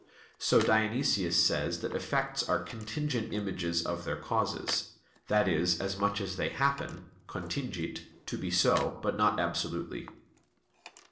So Dionysius says that effects are "contingent images of their causes"; that is, as much as they happen (contingit) to be so, but not absolutely.